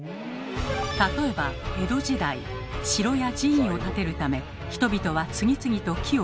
例えば江戸時代城や寺院を建てるため人々は次々と木を切っていきました。